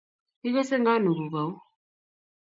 Igese nganuguuk au?